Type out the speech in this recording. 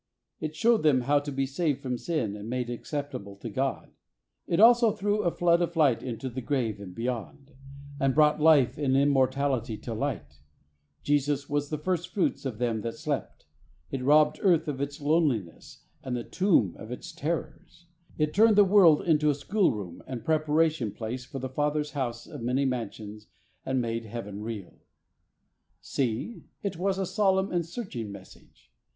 It showed them how to be saved from sin and made acceptable to God. It also threw a flood of light into the grave and beyond, and "brought life and immortality to light," Jesus was "the first fruits of them that slepit." It robbed earth of its loneliness, and the "so spake/' 159 tomb of its terrors. It turned the world into a schoolroom and preparation place for the Father's house of many mansions, and made Heaven real, (c) It was a solemn and a searching mes sage.